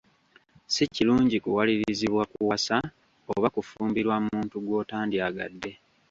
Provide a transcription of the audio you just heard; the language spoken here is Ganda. Si kirungi kuwalirizibwa kuwasa oba kufumbirwa muntu gw'otandyagadde.